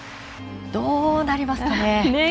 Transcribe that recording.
どうなりますかね。